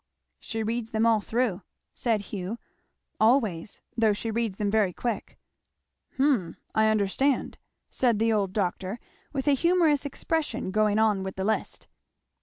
"She reads them all through," said Hugh, "always, though she reads them very quick." "Hum I understand," said the old doctor with a humorous expression, going on with the list.